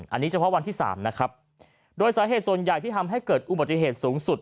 อันนี้เฉพาะวันที่สามนะครับโดยสาเหตุส่วนใหญ่ที่ทำให้เกิดอุบัติเหตุสูงสุด